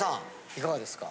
いかがですか？